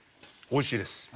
おいしいです。